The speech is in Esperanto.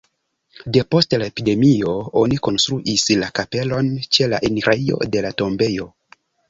Depost la epidemio oni konstruis la kapelon ĉe la enirejo de la tombejo.